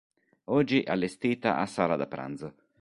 Oggi allestita a sala da pranzo.